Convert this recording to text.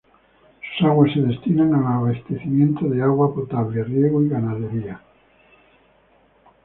Sus aguas se destinan al abastecimiento de agua potable, riego y ganadería.